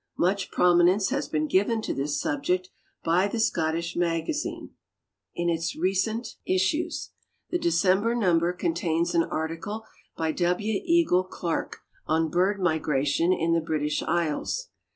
Much prominence has been given to this subject by the Scottish Magazine in its recent 26 GEOGRAPHIC NOTES issues. The December number contains an article by W. Eagle Clarke on Bird Migration in the British Isles.